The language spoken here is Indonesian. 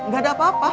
gak ada apa apa